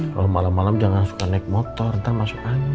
kalau malam malam jangan suka naik motor ntar masuk air